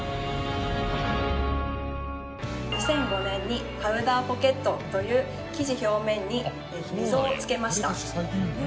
２００５年にパウダーポケットという生地表面に溝をつけました。